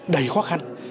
đầy khó khăn